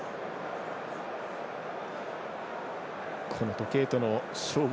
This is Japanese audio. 時計との勝負